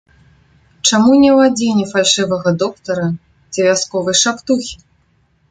Чаму не ў адзенні фальшывага доктара ці вясковай шаптухі?